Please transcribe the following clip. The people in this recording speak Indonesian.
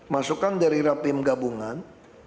masukkan dari rapim gabungan